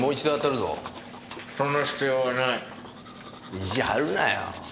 意地張るなよ。